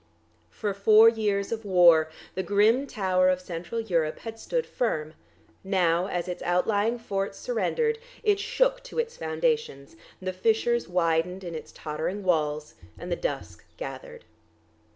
For four years of war the grim tower of Central Europe had stood firm: now as its outlying forts surrendered it shook to its foundations, the fissures widened in its tottering walls, and the dusk gathered.